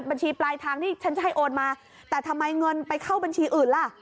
บัญชีปลายทางนี่ฉันจะให้โอนมาแต่ทำไมเงินไปเข้าบัญชีอื่นล่ะ